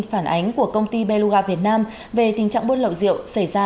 phản ánh của công ty beloga việt nam về tình trạng buôn lậu rượu xảy ra